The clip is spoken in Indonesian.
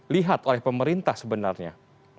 lihat oleh pemerintah sebenarnya